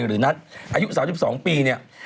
หรือนัทอายุ๓๒ปีเนี่ย